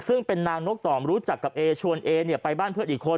ซึ่งเป็นนางนกต่อมรู้จักกับเอชวนเอเนี่ยไปบ้านเพื่อนอีกคน